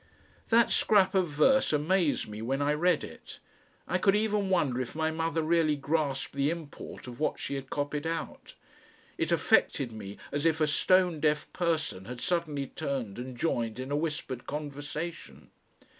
That scrap of verse amazed me when I read it. I could even wonder if my mother really grasped the import of what she had copied out. It affected me as if a stone deaf person had suddenly turned and joined in a whispered conversation.